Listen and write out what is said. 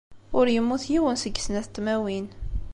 Ur yemmut yiwen seg snat n tmawin.